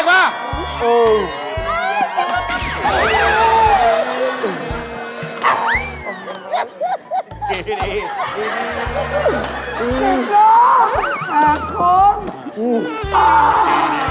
สิบน้องสาของ